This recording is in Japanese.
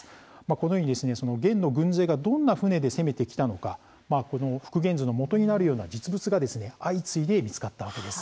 このように元の軍勢がどんな船で攻めてきたのか復元図のもとになるような実物が相次いで見つかったわけです。